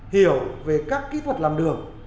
hiểu về các kỹ thuật làm đường